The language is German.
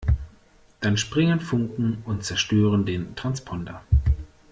Dann springen Funken und zerstören den Transponder.